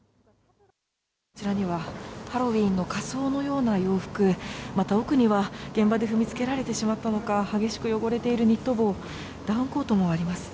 こちらにはハロウィーンの仮装のような洋服また奥には、現場で踏みつけられてしまったのか激しく汚れているニット帽ダウンコートもあります。